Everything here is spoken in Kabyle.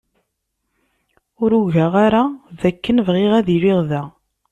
Ur ugaɣ ara dakken bɣiɣ ad iliɣ da.